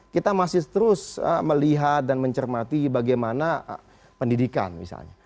kita masih terus melihat dan mencermati bagaimana pendidikan misalnya